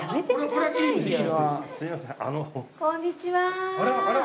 こんにちは。